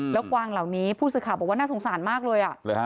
แล้วกวางเหล่านี้ผู้สื่อข่าวบอกว่าน่าสงสารมากเลย